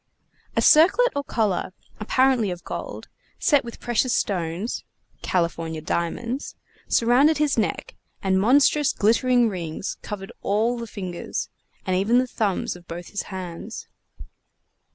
A circlet or collar, apparently of gold, set with precious stones (California diamonds!) surrounded his neck, and monstrous glittering rings covered all the fingers, and even the thumbs of both his hands.